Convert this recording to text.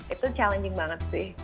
itu challenging banget sih